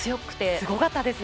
すごかったですね。